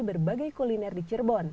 berbagai kuliner di cirebon